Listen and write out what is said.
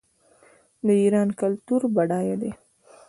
د ایران کلتور بډایه دی.